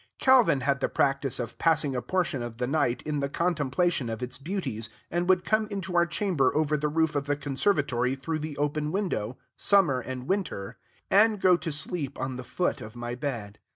Calvin had the practice of passing a portion of the night in the contemplation of its beauties, and would come into our chamber over the roof of the conservatory through the open window, summer and winter, and go to sleep on the foot of my bed.